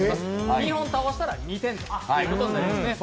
２本倒したら２点ということになりますね。